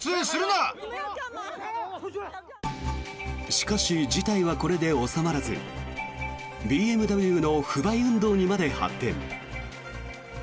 しかし、事態はこれで収まらずＢＭＷの不買運動にまで発展。